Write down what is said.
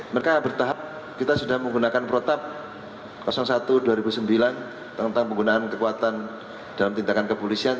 mereka bertahap kita sudah menggunakan protap satu dua ribu sembilan tentang penggunaan kekuatan dalam tindakan kepolisian